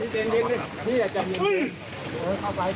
พี่ที่ที่เข้าข้ามด้วยเรามาหาแล้ว